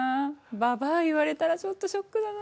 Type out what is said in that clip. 「ババア」言われたらちょっとショックだな。